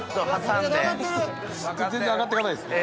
全然上がっていかないですね。